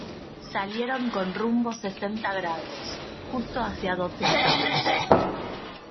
salieron con rumbo sesenta grados, justo hacia donde estamos.